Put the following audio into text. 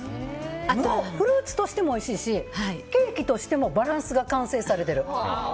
あとフルーツとしてもおいしいしケーキとしてもバランスが完成されてる。